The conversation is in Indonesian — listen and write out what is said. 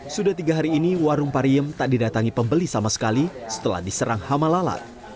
sudah tiga hari ini warung pariem tak didatangi pembeli sama sekali setelah diserang hama lalat